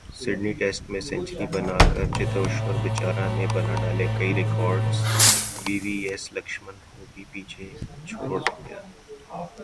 Sydney test میں سنچری بناکر چتیشور پجارا نے بناڈالے کئی records, V V S Laxman کو بھی چھوڑا پیچھے